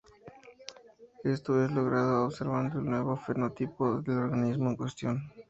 Esto es logrado observando el nuevo fenotipo del organismo en cuestión.